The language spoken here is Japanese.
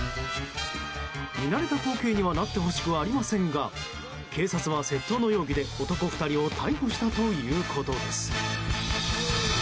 見慣れた光景にはなってほしくありませんが警察は、窃盗の容疑で男２人を逮捕したということです。